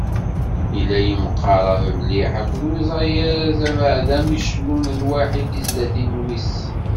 Yella yemqarab mliḥ akked uzayez, abeɛda mi cennun lwaḥi tizlatin-wis.